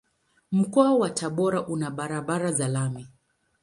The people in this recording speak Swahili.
Mkoa wa Tabora una barabara za lami.